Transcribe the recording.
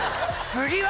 次は。